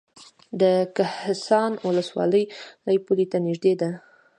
د کهسان ولسوالۍ پولې ته نږدې ده